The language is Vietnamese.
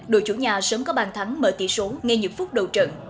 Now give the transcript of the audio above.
đội chủ nhà sớm có bàn thắng mở tỷ số ngay những phút đầu trận